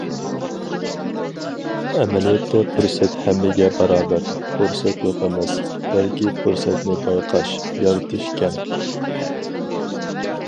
ئەمەلىيەتتە پۇرسەت ھەممىگە باراۋەر، پۇرسەت يوق ئەمەس، بەلكى پۇرسەتنى بايقاش، يارىتىش كەم.